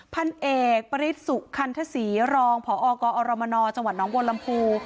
พันเอกปริศสุคันทศรีรองพอกอรมนจังหวัดน้องบนลำพู